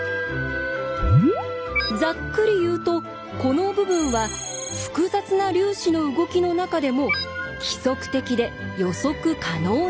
ざっくり言うとこの部分は複雑な粒子の動きの中でも規則的で予測可能な部分。